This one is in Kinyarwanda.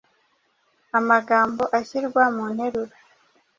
amagambo ashyirwa mu nteruro